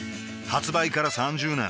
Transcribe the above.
発売から３０年